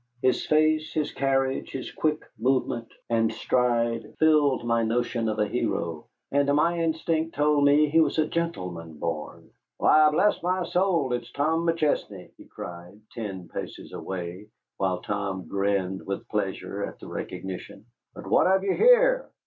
His face, his carriage, his quick movement and stride filled my notion of a hero, and my instinct told me he was a gentleman born. "Why, bless my soul, it's Tom McChesney!" he cried, ten paces away, while Tom grinned with pleasure at the recognition. "But what have you here?"